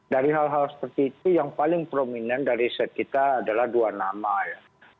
dari hal hal seperti itu yang paling prominent dari set kita adalah dua nama ya